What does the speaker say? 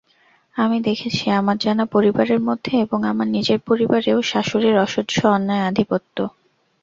আমি দেখেছি আমার জানা পরিবারের মধ্যে এবং আমার নিজের পরিবারেও শাশুড়ীর অসহ্য অন্যায় আধিপত্য।